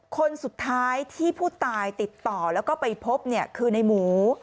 คนสุดท้ายที่ผู้ตายติดต่อแล้วก็ไปพบคือในหมู